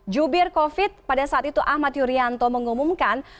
jubir covid pada saat itu ahmad yuryanto mengumumkan